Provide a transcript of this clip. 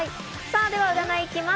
では、占いきます。